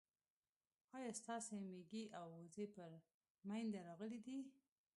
ايا ستاسي ميږي او وزې پر مينده راغلې دي